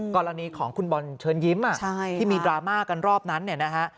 กรณีของคุณบอลเชิญยิ้มที่มีดราม่ากันรอบนั้นเนี่ยนะฮะ